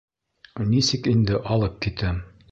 — Нисек инде алып китәм?